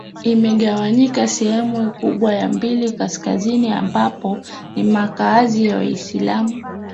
imegawanyika sehemu kubwa mbili kaskazini ambapo ni makaazi ya waislamu